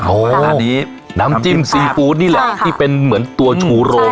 เอาง่ายนี้น้ำจิ้มซีฟู้ดนี่แหละที่เป็นเหมือนตัวชูโรง